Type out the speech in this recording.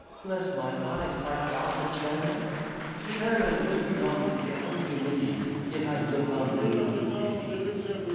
Bless mine eyes! art thou the chairman? Chairman to yon damn'd committee! Yet I look on thee with pity.